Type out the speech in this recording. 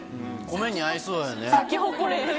米に合いそうだよね。